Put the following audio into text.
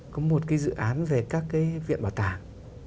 có một cái dự án về các cái viện bảo tàng